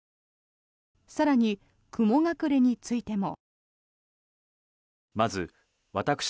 更に、雲隠れについても。